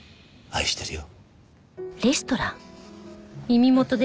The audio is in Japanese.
愛してるよ。